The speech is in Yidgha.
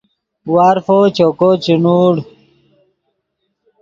وارفو چوکو چے نوڑ